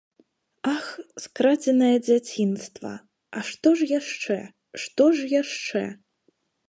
Ах, скрадзенае дзяцінства, а што ж яшчэ, што ж яшчэ!